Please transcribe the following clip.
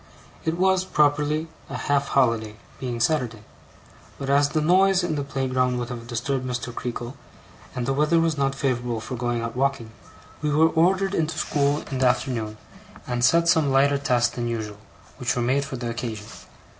It was, properly, a half holiday; being Saturday. But as the noise in the playground would have disturbed Mr. Creakle, and the weather was not favourable for going out walking, we were ordered into school in the afternoon, and set some lighter tasks than usual, which were made for the occasion.